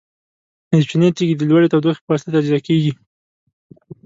د چونې تیږې د لوړې تودوخې په واسطه تجزیه کیږي.